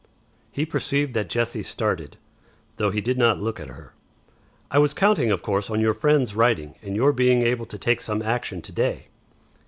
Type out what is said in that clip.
He perceived that Jessie started, though he did not look at her. "I was counting, of course, on your friend's writing and your being able to take some action to day."